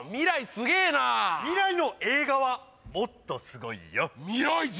すげえな未来の映画はもっとすごいよ未来人